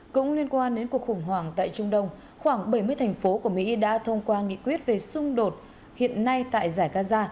cũng liên quan đến cuộc khủng hoảng tại trung đông khoảng bảy mươi thành phố của mỹ đã thông qua nghị quyết về xung đột hiện nay tại giải gaza